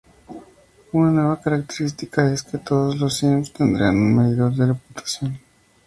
Una nueva característica es que todos los sims tendrán un medidor de reputación.